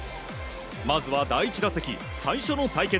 まずは第１打席、最初の対決。